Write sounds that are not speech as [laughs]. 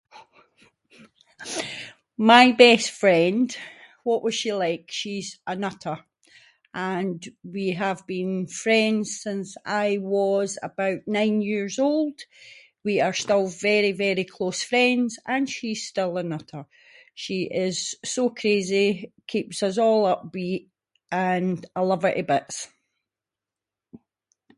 [laughs] My best friend, what was she like? She’s a nutter and we have been friends since I was about nine years old, we are still very very close friends, and she’s still a nutter. She is so crazy, keeps us all upbeat, and I love her to bits.